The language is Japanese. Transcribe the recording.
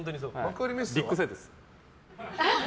ビッグサイトです。